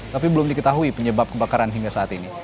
tapi belum diketahui penyebab kebakaran hingga saat ini